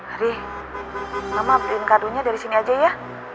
arih mama beliin kadunya dari sini aja ya